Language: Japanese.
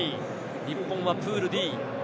日本はプールＤ。